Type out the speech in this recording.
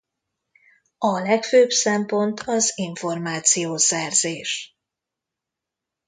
A legfőbb szempont az információszerzés.